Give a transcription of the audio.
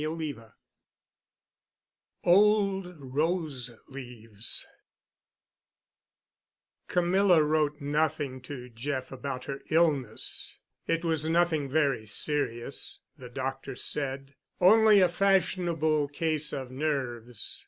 *CHAPTER XVII* *OLD ROSE LEAVES* Camilla wrote nothing to Jeff about her illness. It was nothing very serious, the doctor said—only a fashionable case of nerves.